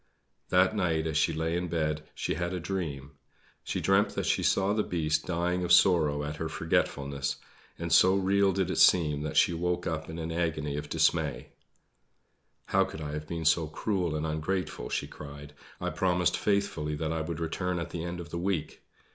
That night, as she lay in bed, she had a dream. She dreamt that she saw the Beast dying of sorrow at her forgetfulness; and so real did it seem that she woke up in an agony of dismay. "How could I have been so cruel and ungrateful," she cried. "I promised faithfully that I would return at the end of the week.